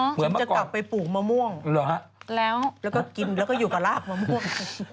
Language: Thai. เหมือนจะกลับไปปลูกมะม่วงแล้วก็กินแล้วก็อยู่กับลาบมะม่วง